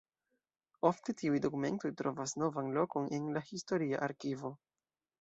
Ofte tiuj dokumentoj trovas novan lokon en la historia arkivo.